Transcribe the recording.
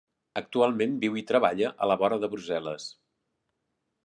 Actualment viu i treballa a la vora de Brussel·les.